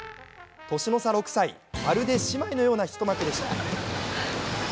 年の差６歳、まるで姉妹のような一幕でした。